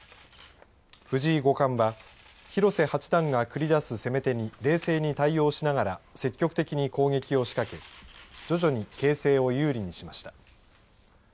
藤井五冠は広瀬八段が繰り出す攻め手に冷静に対応しながら積極的に攻撃を仕掛け徐々に形成を有利にしました。